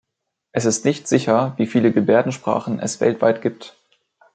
Es ist nicht sicher, wie viele Gebärdensprachen es weltweit gibt.